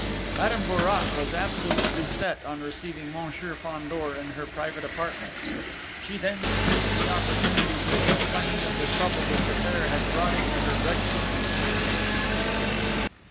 Madame Bourrat was absolutely set on receiving Monsieur Fandor in her private apartments. She then seized the opportunity to complain of the trouble this affair had brought into her regular and peaceful existence.